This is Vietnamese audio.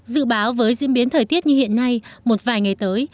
dự báo với diễn biến thời tiết như hiện nay một vài ngày tới